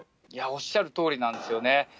おっしゃるとおりなんですよね。